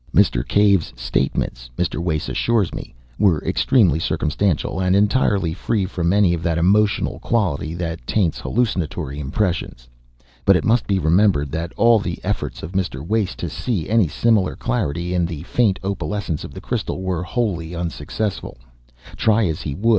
Mr. Cave's statements, Mr. Wace assures me, were extremely circumstantial, and entirely free from any of that emotional quality that taints hallucinatory impressions. But it must be remembered that all the efforts of Mr. Wace to see any similar clarity in the faint opalescence of the crystal were wholly unsuccessful, try as he would.